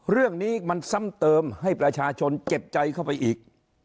เรื่องนี้มันซ้ำเติมให้ประชาชนเจ็บใจเข้าไปอีก